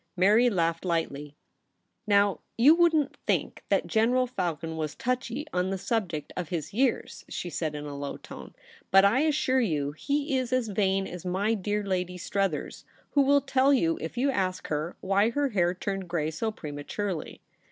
Mary laughed lightly. * Now, you wouldn't think that General Falcon was touchy on the subject of his 72 THE REBEL ROSE. years ?' she said, in alow tone ;* but I assure you he is as vain as my dear Lady Struthers, who will tell you, if you ask her, why her hair turned gray so prematurely.'